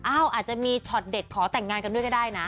อาจจะมีช็อตเด็ดขอแต่งงานกันด้วยก็ได้นะ